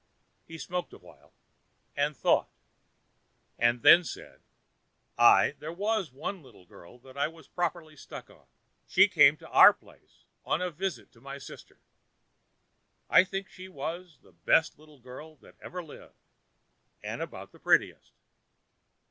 He smoked a while, and thought, and then said: "Ah! there was one little girl that I was properly struck on. She came to our place on a visit to my sister. I think she was the best little girl that ever lived, and about the prettiest.